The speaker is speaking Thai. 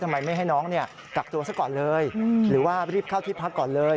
ทำไมไม่ให้น้องกักตัวซะก่อนเลยหรือว่ารีบเข้าที่พักก่อนเลย